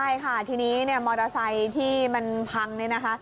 ใช่ค่ะทีนี้มอเตอร์ไซส์ที่มันพังนี่นะคะ